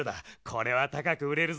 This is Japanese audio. これはたかくうれるぞ。